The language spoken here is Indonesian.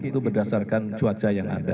itu berdasarkan cuaca yang ada